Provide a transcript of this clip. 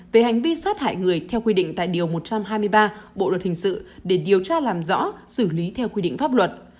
về hành vi sát hại người theo quy định tại điều một trăm hai mươi ba bộ luật hình sự để điều tra làm rõ xử lý theo quy định pháp luật